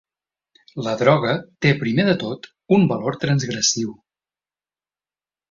La droga té primer de tot un valor transgressiu.